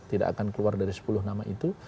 tidak akan keluar dari sepuluh nama itu